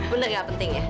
bener gak penting ya